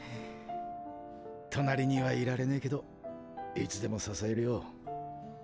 隣にはいられねぇけどいつでも支えるよ。